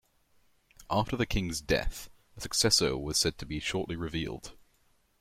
After the king's death, a successor was said to be shortly revealed.